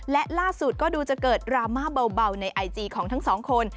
และล่าสุดก็ดูจะเกิดดราม่าเบาในไอจีของทั้งสองคน